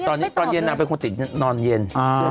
ตอนนี้ตอนเย็นนางเป็นคนติดนอนเย็น